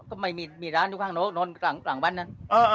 ก็ไม่มีร้านอยู่ข้างนู้นนอนกลางบ้านนั้น